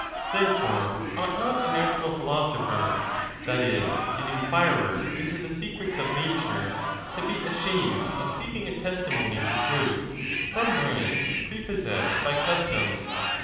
XXX. Therefore, ought not a natural philosopher — that is, an inquirer into the secrets of nature— to be ashamed of seeking a testimony to truth from minds prepossessed by custom?